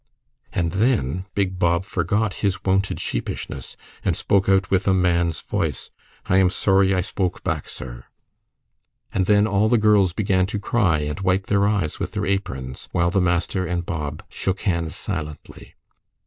And then big Bob forgot his wonted sheepishness and spoke out with a man's voice, "I am sorry I spoke back, sir." And then all the girls began to cry and wipe their eyes with their aprons, while the master and Bob shook hands silently.